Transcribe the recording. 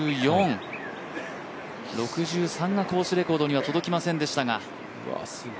６３がコースレコードには届きませんでしたが。